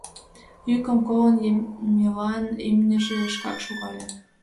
Йӱкым колын, Емелан имньыже шкак шогале.